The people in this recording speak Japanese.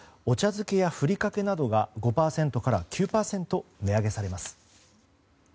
お茶漬けやふりかけなどが５％から９％値上げされます。